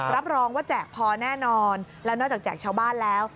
รับรองว่าแจกพอแน่นอนแล้วนอกจากแจกชาวบ้านแล้ว